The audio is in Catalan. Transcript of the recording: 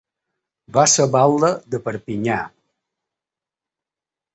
Va ser batlle de Perpinyà.